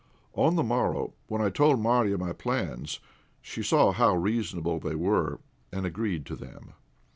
On the morrow, when I told Marya my plans, she saw how reasonable they were, and agreed to them.